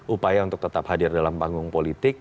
upaya untuk tetap hadir dalam panggung politik